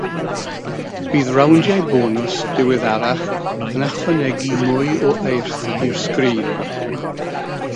Bydd rowndiau bonws diweddarach yn ychwanegu mwy o eirth i'r sgrin.